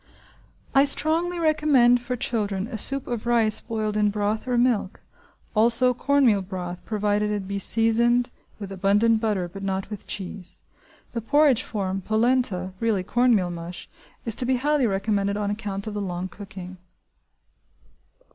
I strongly recommend for children a soup of rice boiled in broth or milk; also cornmeal broth, provided it be seasoned with abundant butter, but not with cheese. (The porridge form–polenta, really cornmeal mush, is to be highly recommended on account of the long cooking.)